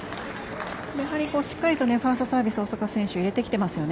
やはりしっかりとファーストサービスを大坂選手入れてきていますよね。